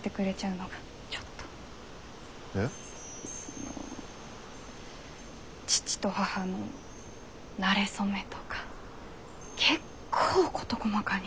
その父と母のなれ初めとか結構事細かに。